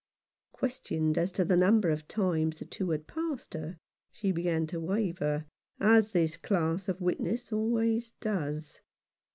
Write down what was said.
Questioned as to the number of times the two had passed her, she began to waver, as this class of witness always does.